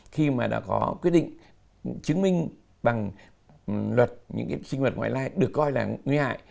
khi mà đã có quyết định chứng minh bằng luật những sinh vật ngoại lai được coi là nguy hại